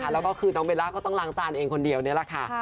แล้วก็คือน้องเบลล่าก็ต้องล้างจานเองคนเดียวนี่แหละค่ะ